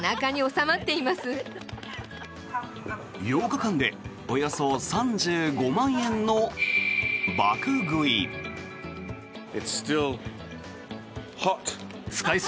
８日間でおよそ３５万円の爆食い。